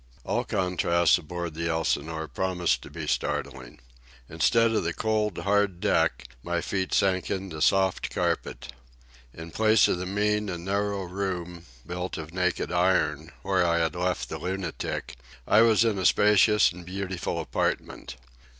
All contrasts aboard the Elsinore promised to be startling. Instead of the cold, hard deck my feet sank into soft carpet. In place of the mean and narrow room, built of naked iron, where I had left the lunatic, I was in a spacious and beautiful apartment.